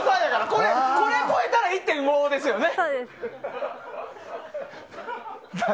これを超えたら１．５ですよね。